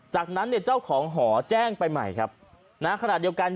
จากนั้นเนี่ยเจ้าของหอแจ้งไปใหม่ครับนะขณะเดียวกัน